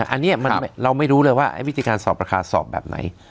อันนี้เราไม่รู้เลยว่าไอ้วิธีการสอบราคาสอบแบบไหน